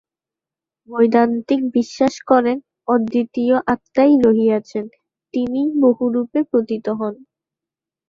বৈদান্তিক বিশ্বাস করেন, অদ্বিতীয় আত্মাই রহিয়াছেন, তিনিই বহু রূপে প্রতীত হন।